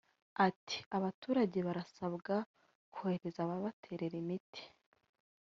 Ati « Abaturage barasabwa korohereza ababaterera imiti